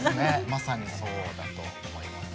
まさにそうだと思いますね。